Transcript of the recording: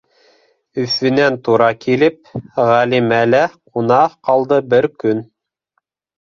Өфөнән тура килеп, Ғәлимәлә ҡуна ҡалды бер көн.